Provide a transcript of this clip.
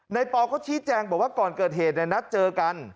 ปอลเขาชี้แจงบอกว่าก่อนเกิดเหตุนัดเจอกัน